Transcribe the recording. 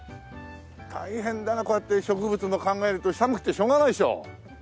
大変だなこうやって植物も考えると寒くてしょうがないでしょ。